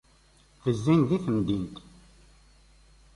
Ttezzin di temdint.